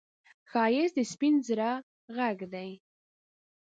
ښایست د سپين زړه غږ دی